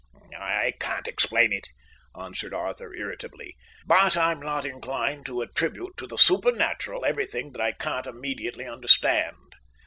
"I can't explain it," answered Arthur, irritably, "but I'm not inclined to attribute to the supernatural everything that I can't immediately understand."